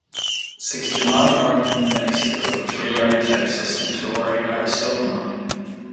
Sixtynine are in New Mexico, three are in Texas and two are in Arizona.